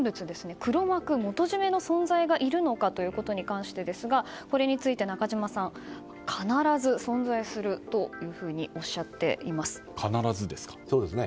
黒幕や元締めの存在がいるのかということに関してですがこれについて中島さん必ず存在するというふうに必ずですか？